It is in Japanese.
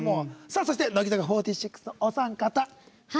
そして、乃木坂４６のお三方。